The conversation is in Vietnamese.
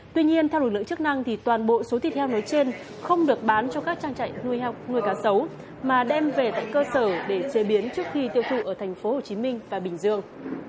tuy nhiên theo lực lượng chức năng toàn bộ số thịt heo nói trên không được bán cho các trang trại nuôi cá sấu mà đem về tại cơ sở để chế biến trước khi tiêu thụ ở tp hcm và bình dương